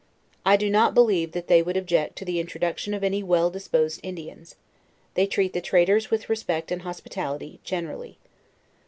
I do not believe that they would object to the introduction of any well disposed Indians; they treat the traders with res pect and hospitality, generally.